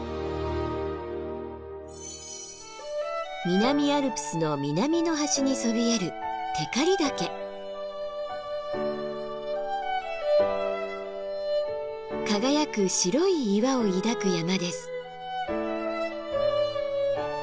南アルプスの南の端にそびえる輝く白い岩を抱く山です。